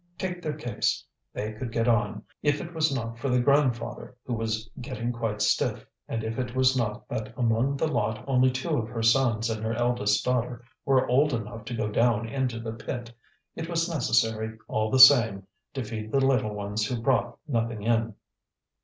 Take their case, they could get on, if it was not for the grandfather who was getting quite stiff, and if it was not that among the lot only two of her sons and her eldest daughter were old enough to go down into the pit. It was necessary, all the same, to feed the little ones who brought nothing in.